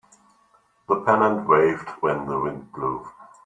The pennant waved when the wind blew.